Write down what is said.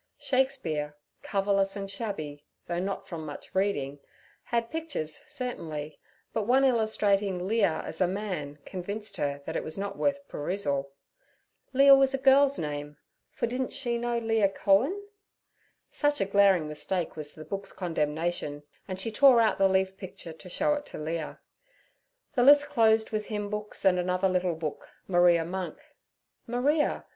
Shakespeare, coverless and shabby, though not from much reading, had pictures certainly, but one illustrating Lear as a man convinced her that it was not worth perusal. Leah was a girl's name, for didn't she know Leah Cohen? Such a glaring mistake was the book's condemnation, and she tore out the leaf picture to show it to Leah. The list closed with hymn books and another little book—'Maria Monk.' Maria!